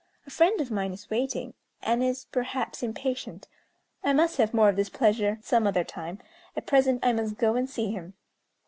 A friend of mine is waiting; and is, perhaps, impatient. I must have more of this pleasure some other time; at present I must go and see him."